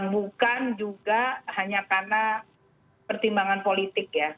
bukan juga hanya karena pertimbangan politik ya